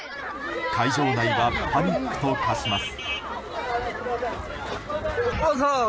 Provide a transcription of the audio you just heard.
会場内はパニックと化します。